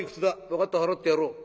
分かった払ってやろう。